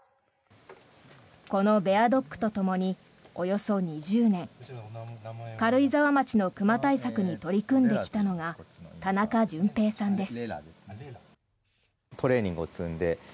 このベアドッグとともにおよそ２０年軽井沢町の熊対策に取り組んできたのが田中純平さんです。